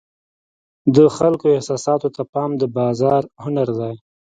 د خلکو احساساتو ته پام د بازار هنر دی.